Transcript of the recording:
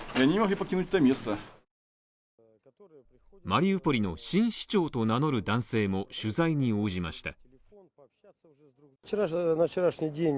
マリウポリの新市長と名乗る男性も取材に応じました。